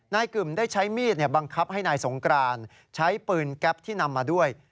กึ่มได้ใช้มีดบังคับให้นายสงกรานใช้ปืนแก๊ปที่นำมาด้วย